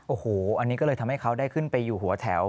โอ้โหอันนี้ก็เลยทำให้เขาได้ขึ้นไปอยู่หัวแถว